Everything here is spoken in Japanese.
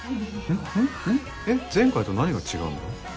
えっ前回と何が違うんだ？